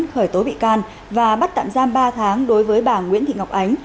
khởi tố bị can và bắt tạm giam ba tháng đối với bà nguyễn thị ngọc ánh